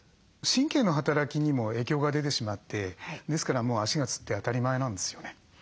神経の働きにも影響が出てしまってですからもう足がつって当たり前なんですよね。